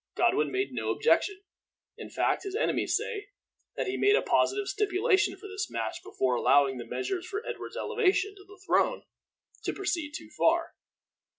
Godwin made no objection. In fact, his enemies say that he made a positive stipulation for this match before allowing the measures for Edward's elevation to the throne to proceed too far.